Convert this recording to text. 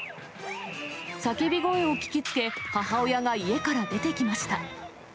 叫び声を聞きつけ、母親が家から出てきました。